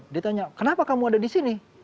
dia tanya kenapa kamu ada di sini